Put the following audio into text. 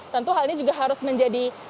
tentu hal ini juga harus menjadi